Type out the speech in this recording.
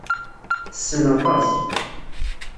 Tessen aṭas.